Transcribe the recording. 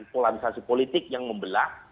polarisasi politik yang membelah